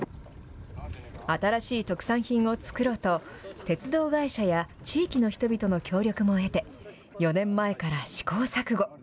新しい特産品を作ろうと、鉄道会社や地域の人々の協力も得て、４年前から試行錯誤。